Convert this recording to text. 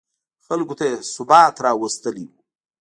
خلکو ته یې ثبات راوستی و.